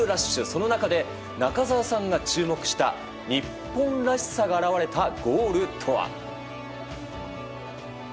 その中で、中澤さんが注目した日本らしさが表れたゴールとは。